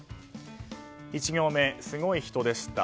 １行目、すごい人でした。